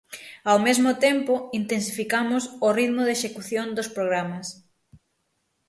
Ao mesmo tempo intensificamos o ritmo de execución dos programas.